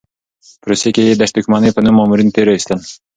په روسيې کې یې د دښمنۍ په نوم مامورین تېر ایستل.